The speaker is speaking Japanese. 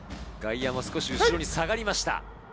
外野も少し後ろに下がりました。